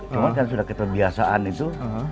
cuma kan sudah keterbiasaan itu